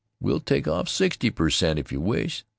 We'll take off sixty per. cent. if you wish.